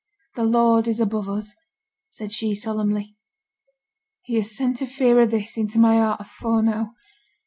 'The Lord is above us,' said she, solemnly. 'He has sent a fear o' this into my heart afore now.